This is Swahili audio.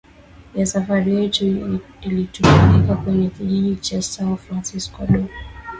ya safari yetu ilitupeleka kwenye kijiji cha Sao Francisco do